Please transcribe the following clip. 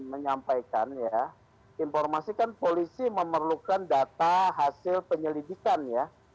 menyampaikan ya informasi kan polisi memerlukan data hasil penyelidikan ya